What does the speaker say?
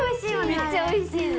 めっちゃおいしいの。